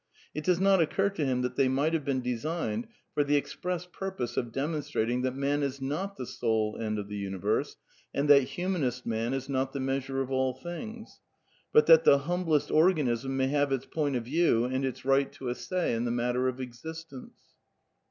It does not occur to him that they might have been designed for the express purpose of demonstrating that man is not the sole A end of the universe, and that humanist man is not the ^— r'Tneasure of all things, but that the humblest organism may \ have its point of view, and its right to a say in the matter of existence.